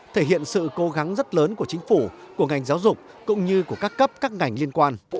thể hiện sự cố gắng rất lớn của chính phủ của ngành giáo dục cũng như của các cấp các ngành liên quan